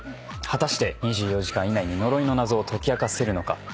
果たして２４時間以内に呪いの謎を解き明かせるのか？